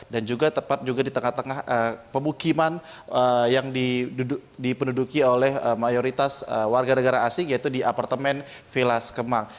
dan juga tepat juga di tengah tengah pemukiman yang dipenduduki oleh mayoritas warga negara asing yaitu di apartemen vilas kemang